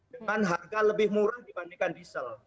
dengan harga lebih murah dibandingkan diesel